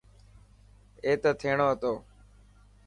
اي ته ٿيهڻو هتو.